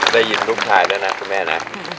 ได้ยินรุ่นท้ายแล้วนะคุณแม่นะ